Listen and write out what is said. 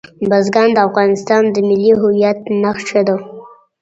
بزګان د افغانستان د ملي هویت نښه ده.